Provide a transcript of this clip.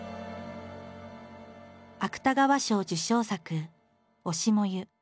芥川賞受賞作「推し、燃ゆ」。